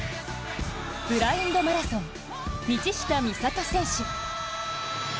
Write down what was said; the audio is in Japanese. ブラインドマラソン、道下美里選手。